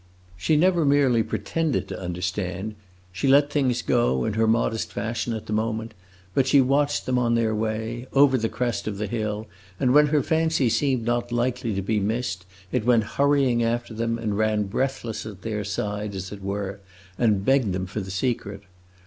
She never merely pretended to understand; she let things go, in her modest fashion, at the moment, but she watched them on their way, over the crest of the hill, and when her fancy seemed not likely to be missed it went hurrying after them and ran breathless at their side, as it were, and begged them for the secret.